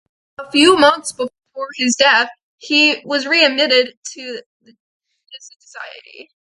A few months before his death, he was readmitted to the Jesuit Society.